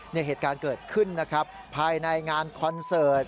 เหตุการณ์เกิดขึ้นนะครับภายในงานคอนเสิร์ต